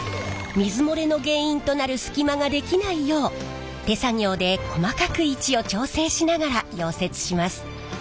水漏れの原因となる隙間が出来ないよう手作業で細かく位置を調整しながら溶接します。